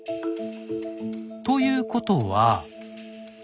ということは。